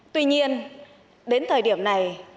tuy nhiên đến thời điểm này